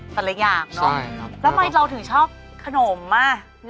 แต่ละอย่างเนอะแล้วทำไมเราถึงชอบขนมอ่ะ